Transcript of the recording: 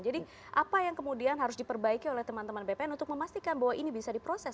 jadi apa yang kemudian harus diperbaiki oleh teman teman bpn untuk memastikan bahwa ini bisa diproses